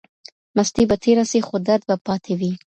مستی به تیره سي خو درد به پاتې وي.